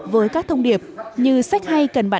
với các thông điệp như sách hay cần bán